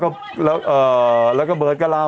ใช่แล้วก็เบิร์ดก็เล่า